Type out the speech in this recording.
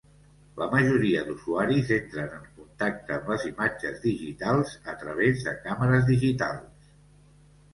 La majoria d'usuaris entren en contacte amb les imatges digitals a través de càmeres digitals.